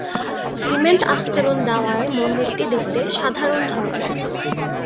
Cement আস্তরণ দেওয়ায় মন্দিরটি দেখতে সাধারণ ধরনের।